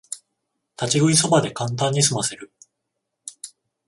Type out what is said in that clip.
立ち食いそばでカンタンにすませる